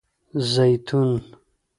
🫒 زیتون